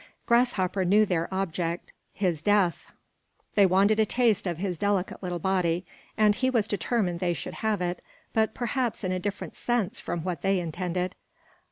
Grasshopper knew their object his death; they wanted a taste of his delicate little body, and he was determined they should have it, but perhaps in a different sense from what they intended.